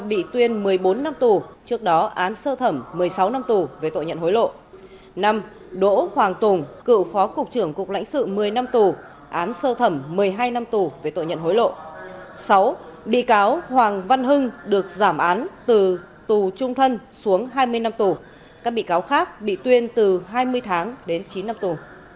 sáu bị cáo hoàng văn hưng được giảm án từ tù trung thân xuống hai mươi năm tù các bị cáo khác bị tuyên từ hai mươi tháng đến chín năm tù